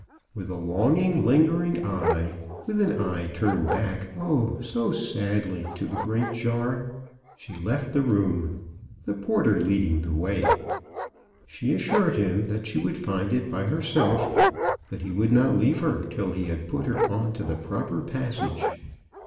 With a longing, lingering eye, with an eye turned back, oh ! so sadly to the great jar, she left the room, the porter leading the way. She assured him that she would find it by herself, but he would not leave her till he had put her on to the proper passage.